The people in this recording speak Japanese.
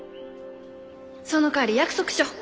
そのかわり約束しよう。